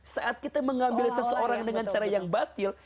saat kita mengambil seseorang dengan cara yang batil